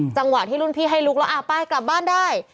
จังหวะที่รุ่นพี่ให้ลุกแล้วไปกลับบ้านได้